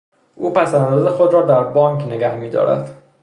او پس انداز خود را در بانک نگاه میدارد.